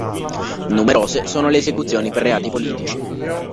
Numerose sono le esecuzioni per reati politici.